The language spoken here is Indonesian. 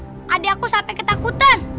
lihat ada aku sampai ketakutan